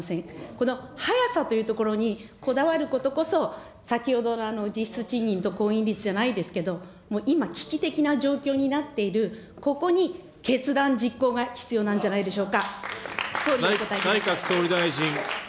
この早さというところに、こだわることこそ先ほどの実質賃金と婚姻率じゃないですけど、今、危機的な状況になっている、ここに決断、実行が必要なんじゃないでしょうか。